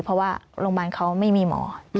เพราะว่าโรงพยาบาลเขาไม่มีหมอ